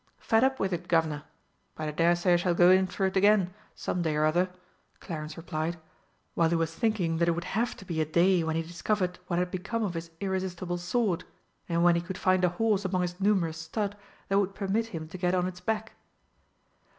"Fed up with it, Guv'nor. But I dare say I shall go in for it again some day or other," Clarence replied, while he was thinking that it would have to be a day when he discovered what had become of his irresistible sword, and when he could find a horse among his numerous stud that would permit him to get on its back.